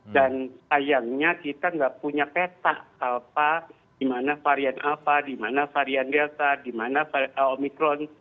dan sayangnya kita tidak punya peta apa di mana varian apa di mana varian delta di mana varian omicron